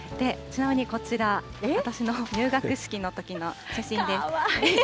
ちなみにこちら、私の入学式のときの写真です。